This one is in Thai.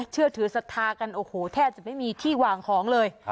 เชื่อถือสัธากันแท่จะไม่มีที่วางของเลย